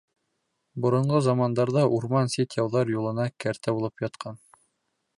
Боронғо замандарҙа урман сит яуҙар юлына кәртә булып ятҡан.